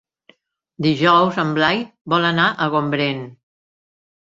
Dijous en Blai vol anar a Gombrèn.